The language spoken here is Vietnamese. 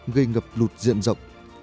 gây ngập lụt diện rộng